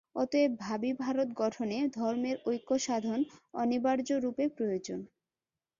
অতএব ভাবী ভারত-গঠনে ধর্মের ঐক্যসাধন অনিবার্যরূপে প্রয়োজন।